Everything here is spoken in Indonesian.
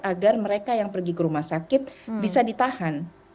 agar mereka yang pergi ke rumah sakit bisa ditahan